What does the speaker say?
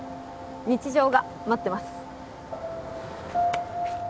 日常が待ってます。